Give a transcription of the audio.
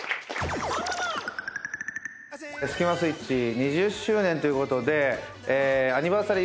スキマスイッチ２０周年ということでアニバーサリー